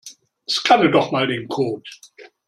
Scanne doch mal den Code.